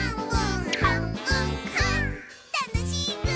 たのしいぐ！